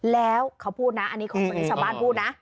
แล้วเขาพูดนะอันนี้ของคนที่ชาวบ้านพูดนะ